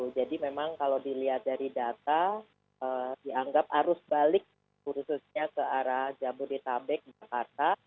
jadi memang kalau dilihat dari data dianggap arus balik khususnya ke arah jabodetabek jakarta